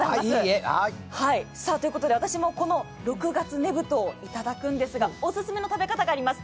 私もこの６月ねぶとをいただくんですがお勧めの食べ方があります。